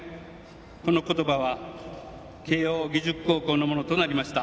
この言葉は慶応義塾高校のものとなりました。